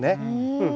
うん。